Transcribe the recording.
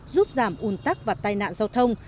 giúp giảm un tắc và tai nạn giao thông